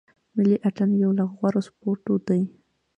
ملي اټن یو له غوره سپورټو دی.